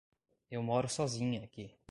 Eu moro sozinha aqui.